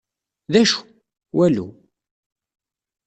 D acu? Walu.